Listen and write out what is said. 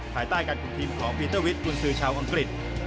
ภายใต้การคุมทีมของปีเตอร์วิทย์กุญสือชาวอังกฤษ